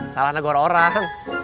salah negara orang